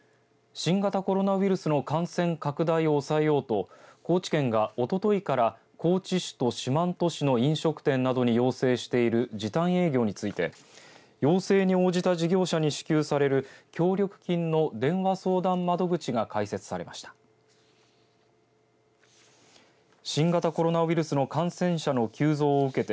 新型コロナウイルスの感染拡大を抑えようと高知県が、おとといから高知市と四万十市の飲食店などに要請している時短営業について要請に応じた事業者に支給される協力金の電話相談窓口が開設されました。